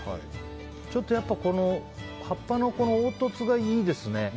ちょっとやっぱ葉っぱの凹凸がいいですね。